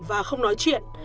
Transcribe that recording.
và không nói chuyện